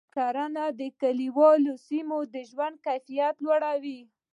کرنه د کلیوالو سیمو د ژوند کیفیت لوړوي.